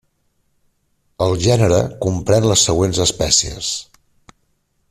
El gènere comprèn les següents espècies.